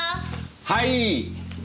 はい！